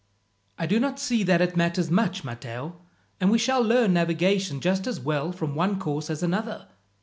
"I do not see that it matters much, Matteo; and we shall learn navigation just as well from one course as another.